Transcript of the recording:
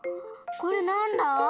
これなんだ？